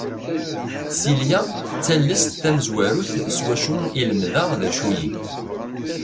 Silya d tallest tamezwarut s wacu i lemdeɣ d acu-yi.